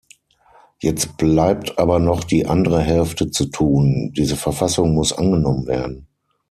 Jetzt bleibt aber noch die andere Hälfte zu tun, diese Verfassung muss angenommen werden.